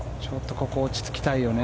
ここ、落ち着きたいよね。